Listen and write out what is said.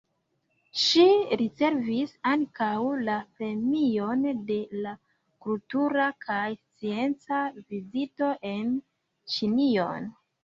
Ŝi ricevis ankaŭ la Premion de la Kultura kaj Scienca Vizito en Ĉinion.